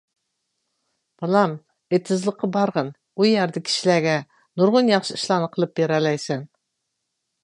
بالام، ئېتىزلىققا بارغىن، ئۇ يەردە كىشىلەرگە نۇرغۇن ياخشى ئىشلارنى قىلىپ بېرەلەيسەن!